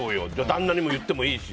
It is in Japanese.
旦那に言ってもいいし。